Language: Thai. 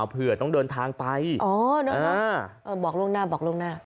เผื่อต้องเดินทางไปอ๋อบอกลงหน้า